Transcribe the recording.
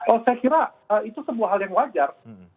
oh saya kira itu sebuah hal yang wajar